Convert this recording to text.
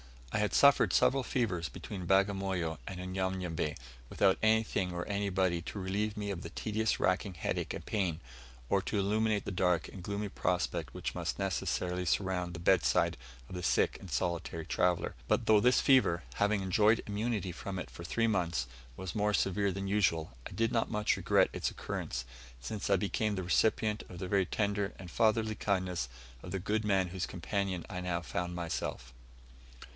I had suffered several fevers between Bagamoyo and Unyanyembe, without anything or anybody to relieve me of the tedious racking headache and pain, or to illumine the dark and gloomy prospect which must necessarily surround the bedside of the sick and solitary traveller. But though this fever, having enjoyed immunity from it for three months, was more severe than usual, I did not much regret its occurrence, since I became the recipient of the very tender and fatherly kindness of the good man whose companion I now found myself.